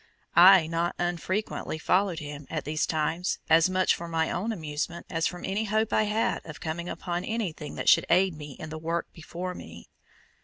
I not unfrequently followed him at these times as much for my own amusement as from any hope I had of coming upon anything that should aid me in the work before me.